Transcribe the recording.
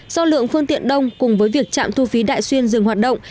do lượng phương tiện đông cùng với việc trạm thu phí đại xuyên dừng hoạt động